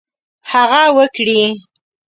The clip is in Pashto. هغه وکړي.